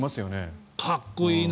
かっこいいの。